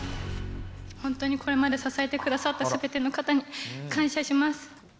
本当にこれまで支えてくださったすべての方に感謝します。